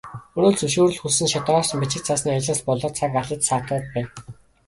Өнөө л зөвшөөрөл хүссэн шат дараалсан бичиг цаасны ажлаас болоод цаг алдаж саатаад байна.